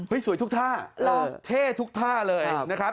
สวยทุกท่าเท่ทุกท่าเลยนะครับ